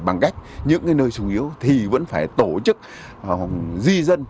bằng cách những nơi sung yếu thì vẫn phải tổ chức di dân